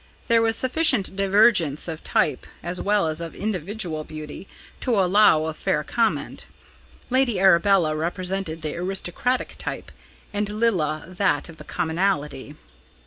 There was sufficient divergence of type, as well as of individual beauty, to allow of fair comment; Lady Arabella represented the aristocratic type, and Lilla that of the commonalty.